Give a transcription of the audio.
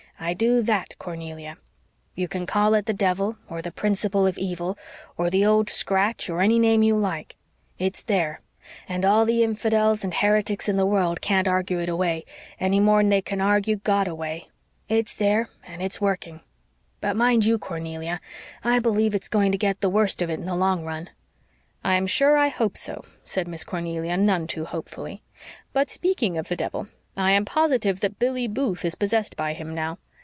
"I do THAT, Cornelia. You can call it the devil, or the 'principle of evil,' or the Old Scratch, or any name you like. It's THERE, and all the infidels and heretics in the world can't argue it away, any more'n they can argue God away. It's there, and it's working. But, mind you, Cornelia, I believe it's going to get the worst of it in the long run." "I am sure I hope so," said Miss Cornelia, none too hopefully. "But speaking of the devil, I am positive that Billy Booth is possessed by him now.